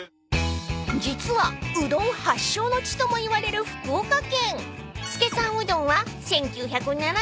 ［実はうどん発祥の地ともいわれる福岡県］